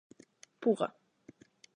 Puga.